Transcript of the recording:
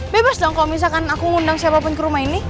bebas dong kalo misalkan aku ngundang siapa pun ke rumah ini